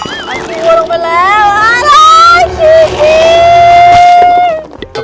เอาขี้หัวลงไปแล้วอ่าชื่อจริง